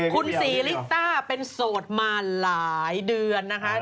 คุณศรีริต้าเป็นโสดมาหลายเดือนนะคะ